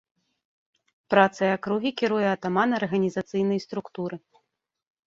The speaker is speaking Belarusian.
Працай акругі кіруе атаман арганізацыйнай структуры.